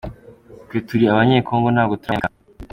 Twebwe turi abanye- Congo ntabwo turi Abanyamerika.